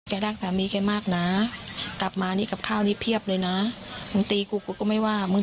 สั้นนั้นเข้ามามันดึงสายไอ้นั่นสายไอ้นี่ในบ้าน